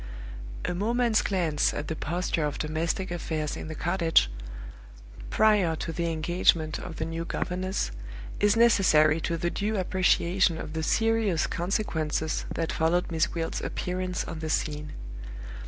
A moment's glance at the posture of domestic affairs in the cottage, prior to the engagement of the new governess, is necessary to the due appreciation of the serious consequences that followed Miss Gwilt's appearance on the scene.